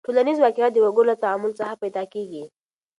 ټولنیز واقعیت د وګړو له تعامل څخه پیدا کېږي.